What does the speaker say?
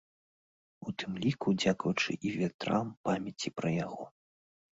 У тым ліку дзякуючы і вятрам памяці пра яго.